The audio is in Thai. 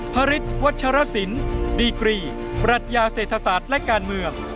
พระฤทธิ์วัชรสินดีกรีปรัชญาเศรษฐศาสตร์และการเมือง